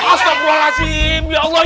astagfirullahaladzim ya allah